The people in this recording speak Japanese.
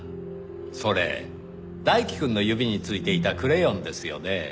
それ大樹くんの指に付いていたクレヨンですよね？